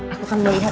aku kan udah liat